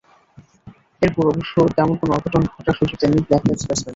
এরপর অবশ্য তেমন কোনো অঘটন ঘটার সুযোগ দেননি ব্লাক ক্যাপস ব্যাটসম্যানরা।